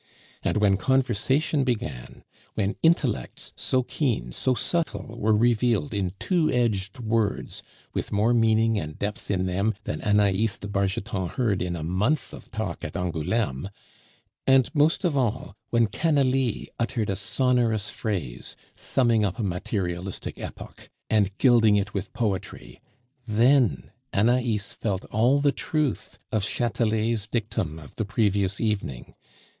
And when conversation began, when intellects so keen, so subtle, were revealed in two edged words with more meaning and depth in them than Anais de Bargeton heard in a month of talk at Angouleme; and, most of all, when Canalis uttered a sonorous phrase, summing up a materialistic epoch, and gilding it with poetry then Anais felt all the truth of Chatelet's dictum of the previous evening.